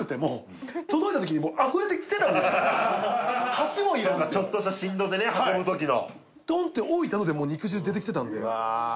箸もいらんってちょっとした振動でね運ぶ時のドンって置いたのでもう肉汁出てきてたんでうわ